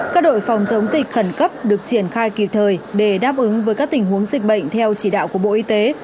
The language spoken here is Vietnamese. các đội phòng chống dịch khẩn cấp được triển khai kịp thời để đáp ứng với các tình huống dịch bệnh theo chỉ đạo của bộ y tế